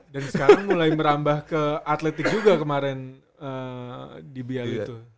dan sekarang mulai merambah ke atletik juga kemarin di biali itu